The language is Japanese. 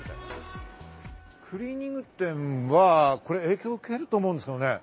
クリーニング店は影響受けると思うんですよね。